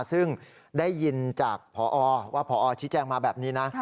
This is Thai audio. ซึ่งได้ยินจากพอว่าพอชี้แจงมาแบบนี้นะ